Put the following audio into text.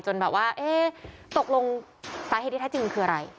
จนตกลงสาเหตุที่แท้จริงคืออะไร